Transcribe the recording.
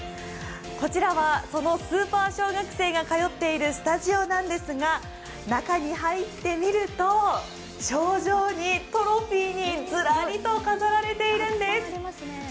こちらはそのスーパー小学生が通っているスタジオなんですが、中に入ってみると、賞状にトロフィーに、ずらりと飾られているんです。